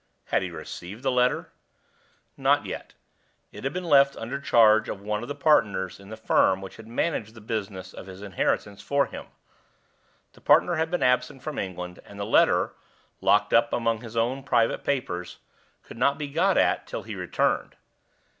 Had he received the letter? Not yet; it had been left under charge of one of the partners in the firm which had managed the business of his inheritance for him; the partner had been absent from England; and the letter, locked up among his own private papers, could not be got at till he returned.